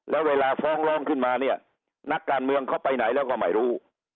แล้วเวลาฟ้องร้องขึ้นมาเนี่ยนักการเมืองเขาไปไหนแล้วก็ไม่รู้